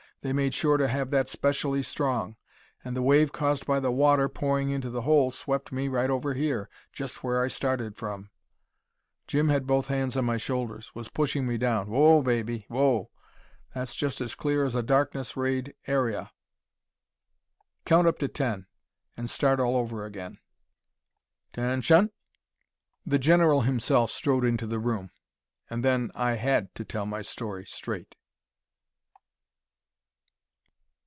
They made sure to have that specially strong. And the wave caused by the water pouring into the hole swept me right over here, just where I started from." Jim had both hands on my shoulders, was pushing me down. "Whoa, baby, whoa. That's just as clear as a darkness rayed area. Count up to ten, and start all over again." "'Ten shun!" The general himself strode into the room. And then I had to tell my story straight.